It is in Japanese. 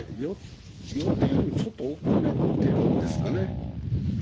予定よりもちょっと遅れてるんですかね。